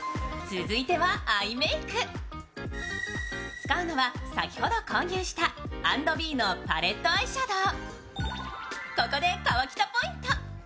使うのは先ほど購入した＆ｂｅのパレットアイシャドウ。